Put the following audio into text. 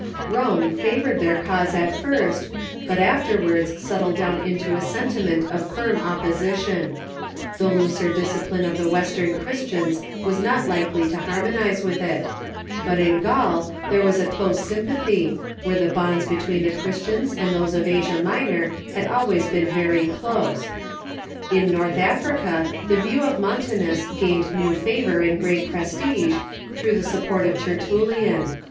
Rome favored their cause at first, but afterwards settled down into a sentiment of firm opposition. The looser dis cipline of the Western Christians was not likely of Montanism^ ^^ harmonize with it. But in Gaul there was a close sympathy, where the bonds between the Christians and those of Asia JMinor had always been very 46 THE EARLY CHURCH close. In North Africa the views of Montanus gained new favor and great prestige, through the support of Tertullian.